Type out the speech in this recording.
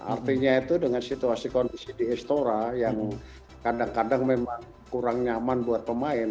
artinya itu dengan situasi kondisi di istora yang kadang kadang memang kurang nyaman buat pemain